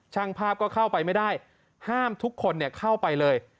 ช่างภาพก็เข้าไปไม่ได้ห้ามทุกคนเข้าไปเลย